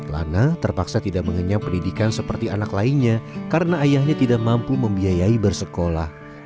lana terpaksa tidak mengenyam pendidikan seperti anak lainnya karena ayahnya tidak mampu membiayai bersekolah